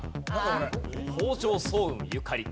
北条早雲ゆかり。